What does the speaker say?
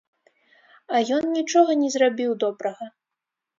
А ён нічога не зрабіў добрага.